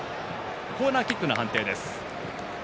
コーナーキックの判定です。